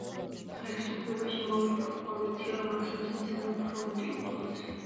ხელისუფლებაში მოვიდა კოალიცია რომელსაც „მესამე ფრონტი“ უწოდეს.